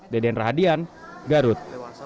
deden rahadian garut